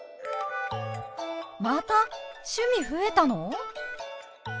また趣味増えたの！？